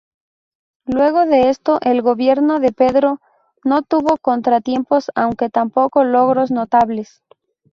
Luego de esto, el gobierno de Pedro no tuvo contratiempos, aunque tampoco logros notables.